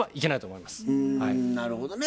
うんなるほどね。